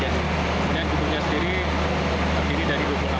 kemudian gedungnya sendiri terdiri dari lubang api